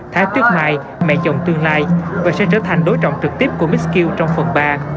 thái tuyết hài mẹ chồng tương lai và sẽ trở thành đối trọng trực tiếp của miss q trong phần ba